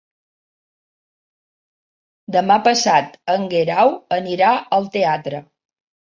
Demà passat en Guerau anirà al teatre.